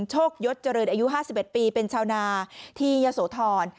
โชคยศเจริญอายุ๕๑ปีเป็นชาวนาที่ยะโสธร